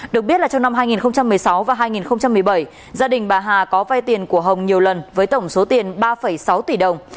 được biết là trong năm hai nghìn một mươi sáu và hai nghìn một mươi bảy gia đình bà hà có vai tiền của hồng nhiều lần với tổng số tiền ba sáu tỷ đồng